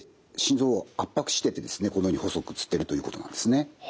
このように細く写っているということなんですね。